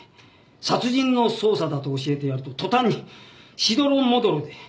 殺人の捜査だと教えてやると途端にしどろもどろで。